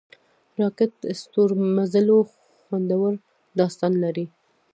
راکټ د ستورمزلو خوندور داستان لري